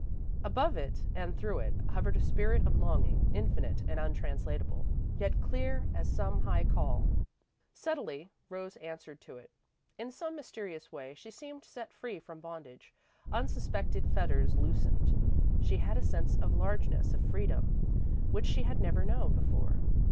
Above it and through it hovered a spirit of longing, infinite and untranslatable, yet clear as some high call. Subtly, Rose answered to it. In some mysterious way, she seemed set free from bondage. Unsuspected fetters loosened; she had a sense of largeness, of freedom which she had never known before.